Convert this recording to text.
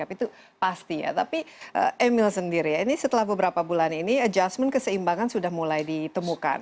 tapi itu pasti ya tapi emil sendiri ya ini setelah beberapa bulan ini adjustment keseimbangan sudah mulai ditemukan